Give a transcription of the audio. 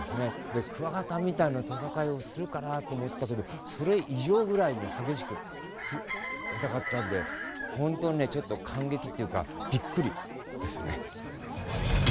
でクワガタみたいな戦いをするかなと思ったけどそれ以上ぐらいに激しく戦ってたんでホントにねちょっと感激っていうかびっくりですね。